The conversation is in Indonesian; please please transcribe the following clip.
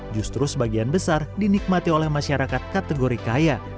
justru sebagian besar dinikmati oleh masyarakat kategori kaya